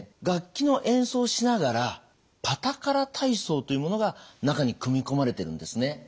楽器の演奏しながら「パタカラ体操」というものが中に組み込まれてるんですね。